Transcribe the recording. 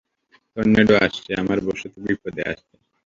Tornado আসছে, আমার বসতি বিপদে আছে।